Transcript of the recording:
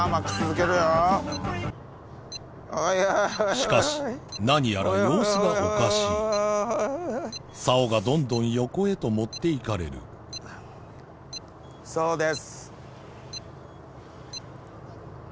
しかし何やら様子がおかしい竿がどんどん横へと持っていかれるそうです。